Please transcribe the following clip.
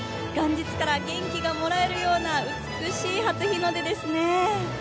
元日から元気がもらえるような美しい初日の出ですね。